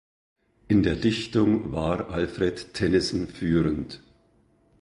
In der Dichtung war Alfred Tennyson führend.